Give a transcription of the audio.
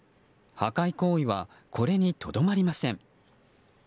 破壊行為はこれにとどまりません。